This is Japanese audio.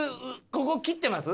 ここ切ってます？